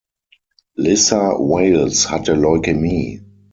Lissa Wales hatte Leukämie.